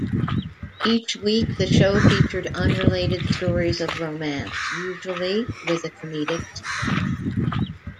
Each week, the show featured unrelated stories of romance, usually with a comedic spin.